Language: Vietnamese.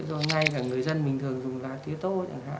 do ngay cả người dân bình thường dùng lá tía tốt chẳng hạn